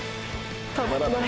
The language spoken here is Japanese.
たまらない！！